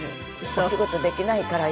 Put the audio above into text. お仕事できないから今。